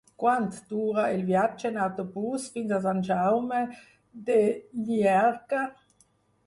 Quant dura el viatge en autobús fins a Sant Jaume de Llierca?